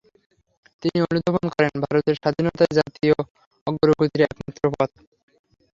তিনি অনুধাবন করেন- ভারতের স্বাধীনতাই জাতীয় অগ্রগতির একমাত্র পথ।